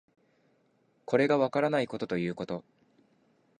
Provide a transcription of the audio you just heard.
これがわからないことということ